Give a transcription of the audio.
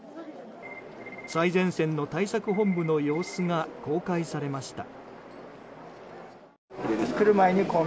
最前線の対策本部の様子が公開されました。